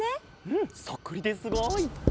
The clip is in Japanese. うんそっくりですごい！